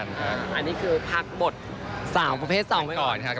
อันนี้คือภาคบทสาวประเภทสาวไว้ก่อนค่ะ